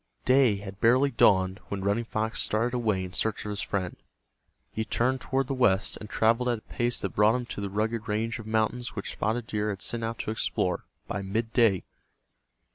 Day had barely dawned when Running Fox started away in search of his friend. He turned toward the west, and traveled at a pace that brought him to the rugged range of mountains which Spotted Deer had set out to explore, by midday.